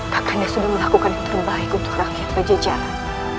kakanda sudah melakukan yang terbaik untuk rakyat pejajaran